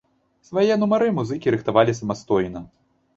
Свае нумары музыкі рыхтавалі самастойна.